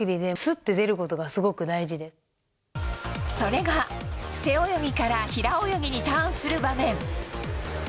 それが背泳ぎから平泳ぎにターンする場面。